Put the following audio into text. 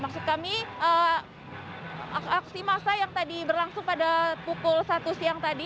maksud kami aksi masa yang tadi berlangsung pada pukul satu siang tadi